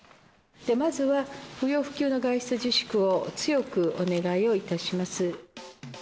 まずは、不要不急の外出自粛を強くお願いをいたします。